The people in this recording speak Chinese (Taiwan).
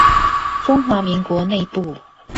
中華民國內部